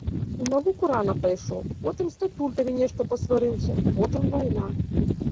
У навуку рана пайшоў, потым з татулькам нешта пасварыўся, потым вайна.